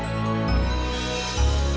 kalau aku udah jadi jutaan kayak dari